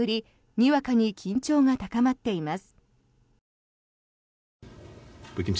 にわかに緊張が高まっています。